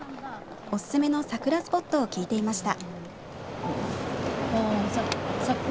おすすめの桜スポットを聞いていました。